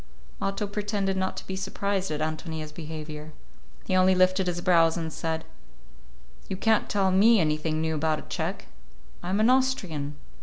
Otto pretended not to be surprised at Ántonia's behavior. He only lifted his brows and said, "You can't tell me anything new about a Czech; I'm an Austrian."